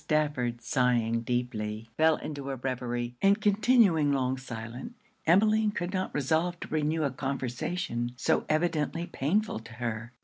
Stafford, sighing deeply, fell into a reverie; and continuing long silent, Emmeline could not resolve to renew a conversation so evidently painful to her.